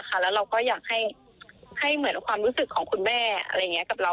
แล้วเราก็อยากให้เหมือนความรู้สึกของคุณแม่กับเรา